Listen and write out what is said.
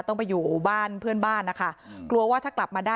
ต้องไปอยู่บ้านเพื่อนบ้านนะคะกลัวว่าถ้ากลับมาได้